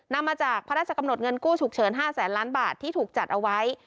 นำมาจากพระราชกำหนดเงินกู้ฉุกเฉิน๕แสนล้านบาทที่ถูกจัดเอาไว้